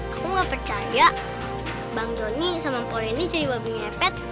aku gak percaya bang doni sama poleni jadi wabi ngepet